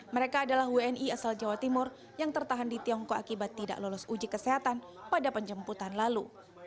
mereka adalah wni asal jawa timur yang tertahan di tiongkok akibat tidak lolos uji kesehatan pada penjemputan lalu